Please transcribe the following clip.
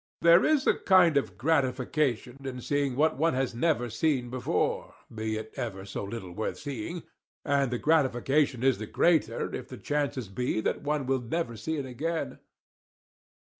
There is a kind of gratification in seeing what one has never seen before, be it ever so little worth seeing; and the gratification is the greater if the chances be that one will never see it again.